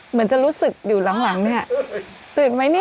เหมือนจะรู้สึกอยู่หลังเนี่ยตื่นไหมเนี่ย